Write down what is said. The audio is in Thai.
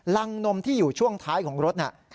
ลังนมที่อยู่ช่วงท้ายของรถ